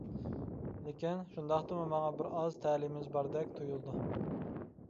لېكىن، شۇنداقتىمۇ ماڭا بىر ئاز تەلىيىمىز باردەك تۇيۇلىدۇ.